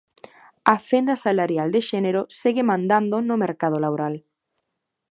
A fenda salarial de xénero segue mandando no mercado laboral.